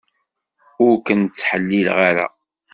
Ur ken-ttḥellileɣ ara.